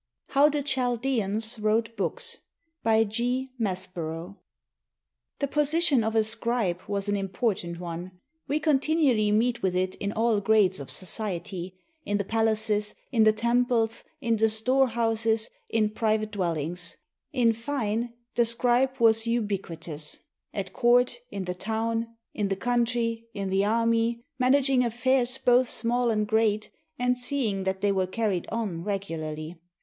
HOW THE CHALDEANS WROTE BOOKS BY G. MASPERO The position of a scribe was an important one. We continually meet with it in all grades of society — in the palaces, in the temples, in the storehouses, in private dwellings ; in fine, the scribe was ubiquitous, at court, in the town, in the country, in the army, managing affairs both small and great, and seeing that they were carried on regularly.